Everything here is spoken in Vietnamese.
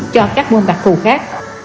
cho các môn đặc thù khác